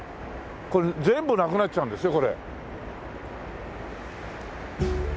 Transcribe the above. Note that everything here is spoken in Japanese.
これ全部なくなっちゃうんですよ。